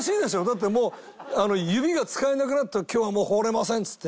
だってもう指が使えなくなって今日はもう放れませんっつって。